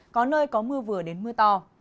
có nơi có mưa vừa đến mưa to